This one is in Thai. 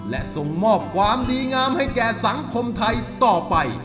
และส่งมอบความดีงามให้แก่สังคมไทยต่อไป